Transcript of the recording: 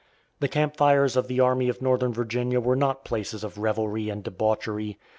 The camp fires of the Army of Northern Virginia were not places of revelry and debauchery.